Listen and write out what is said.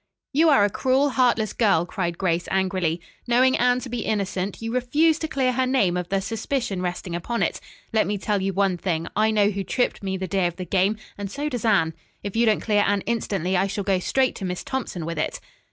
"You are a cruel, heartless girl," cried Grace angrily. "Knowing Anne to be innocent, you refuse to clear her name of the suspicion resting upon it. Let me tell you one thing. I know who tripped me the day of the game, and so does Anne. If you don't clear Anne instantly, I shall go straight to Miss Thompson with it."